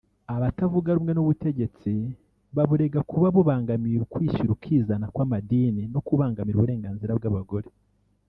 Abatavuga rumwe n’ubutegetsi baburega kuba bubangamiye ukwishyira ukizana kw’amadini no kubangamira uburenganzira bw’abagore